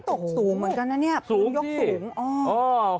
นี่ตกสูงเหมือนกันนะเนี่ยพื้นยกสูงสูงสิอ้อ